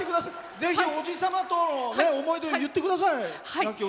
ぜひおじ様との思い出言ってください。